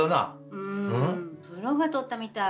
うんプロが撮ったみたい。